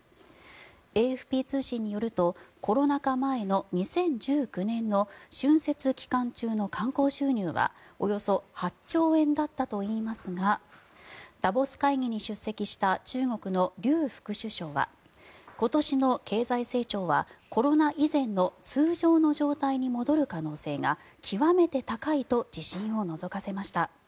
ＡＦＰ通信によるとコロナ禍前の２０１９年の春節期間中の観光収入はおよそ８兆円だったといいますがダボス会議に出席した中国のリュウ副首相は今年の経済成長はコロナ以前の通常の状態に戻る可能性が極めて高いと自信をのぞかせました。